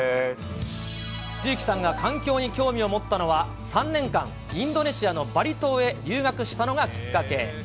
露木さんが環境に興味を持ったのは、３年間、インドネシアのバリ島へ留学したのがきっかけ。